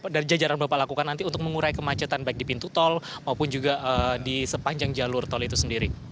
dari jajaran bapak lakukan nanti untuk mengurai kemacetan baik di pintu tol maupun juga di sepanjang jalur tol itu sendiri